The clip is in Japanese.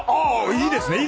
いいですね！